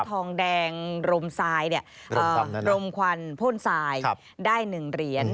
ทองแดงรมควันพ่นทรายได้หนึ่งเหรียญ